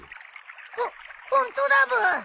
ホホントだブー。